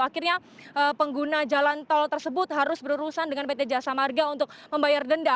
akhirnya pengguna jalan tol tersebut harus berurusan dengan pt jasa marga untuk membayar denda